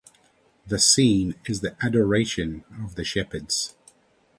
The scene is the Adoration of the Shepherds.